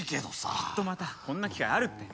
きっとまたこんな機会あるって。